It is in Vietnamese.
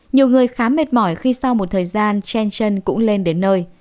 nhiều người khá mệt mỏi khi sau một thời gian chen chân cũng lên đến nơi